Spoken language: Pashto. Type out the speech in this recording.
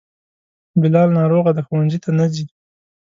بلال ناروغه دی, ښونځي ته نه ځي